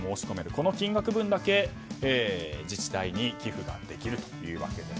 この金額分だけ自治体に寄付ができるというわけなんです。